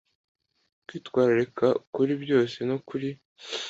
Kwitwararika kuri byose no kuri